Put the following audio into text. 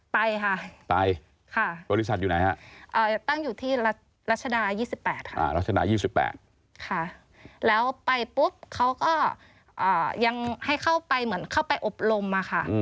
ไปค่ะไปบริษัทอยู่ไหนฮะตั้งอยู่ที่รัชดา๒๘ค่ะรัชดา๒๘ค่ะแล้วไปปุ๊บเขาก็ยังให้เข้าไปเหมือนเข้าไปอบรมอะค่ะ